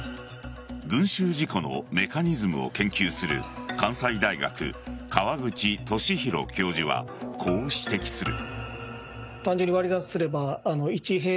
群集事故のメカニズムを研究する関西大学・川口寿裕教授はこう指摘する。